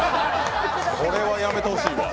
これはやめてほしいわ。